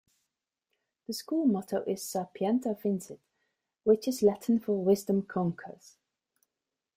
The school motto is "Sapienta Vincit" which is Latin for "Wisdom Conquers".